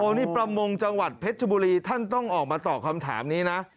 นี่ประมงจังหวัดเพชรบุรีท่านต้องออกมาตอบคำถามนี้นะ